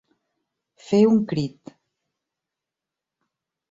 Fer un crit.